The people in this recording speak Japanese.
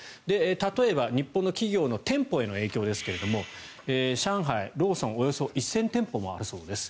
例えば、日本の企業の店舗への影響ですが上海、ローソンおよそ１０００店舗もあるそうです。